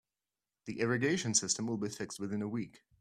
The irrigation system will be fixed within a week.